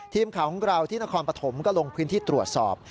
ทีมข่าวของเราที่นครปฐมก็ลงพื้นที่ตรวจสอบ